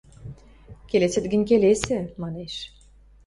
Келесет гӹнь, келесӹ! – манеш.